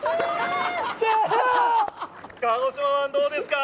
鹿児島湾、どうですか？